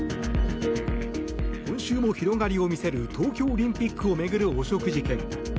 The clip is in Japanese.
今週も広がりを見せる東京オリンピックを巡る汚職事件。